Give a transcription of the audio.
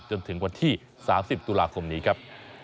จนถึงวันที่๓๐ตุลาคมนี้ครับ